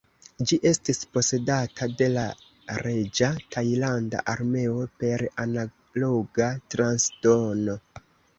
Ĝi estis posedata de la Reĝa Tajlanda Armeo per Analoga transdono.